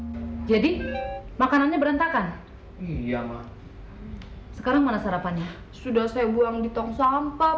hai jadi makanannya berantakan iya mah sekarang mana sarapannya sudah saya buang di tong sampah